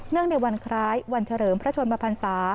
เนื่องในวันคล้ายวันเฉลิมพระชนมภัณฑ์ษา